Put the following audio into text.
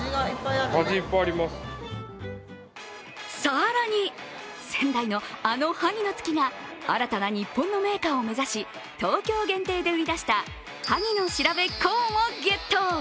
更に、仙台のあの萩の月が新たな日本の銘菓を目指し東京限定で売り出した萩の調煌もゲット。